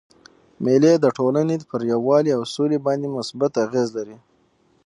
مېلې د ټولني پر یووالي او سولي باندي مثبت اغېز لري.